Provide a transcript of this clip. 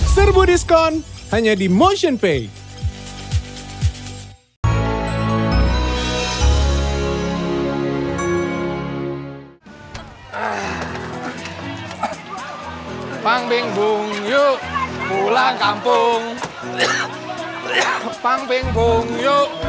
serbu diskon hanya di motionpay